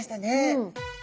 うん。